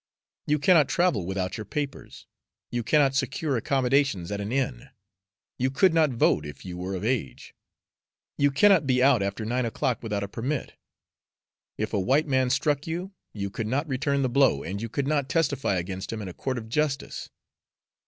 You cannot travel without your papers; you cannot secure accommodations at an inn; you could not vote, if you were of age; you cannot be out after nine o'clock without a permit. If a white man struck you, you could not return the blow, and you could not testify against him in a court of justice.